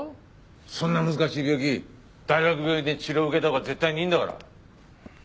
そんな難しい病気大学病院で治療を受けたほうが絶対にいいんだから。